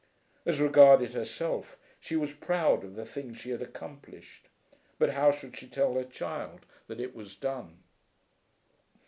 As regarded herself she was proud of the thing she had accomplished; but how should she tell her child that it was done?